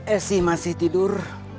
esi masih tidur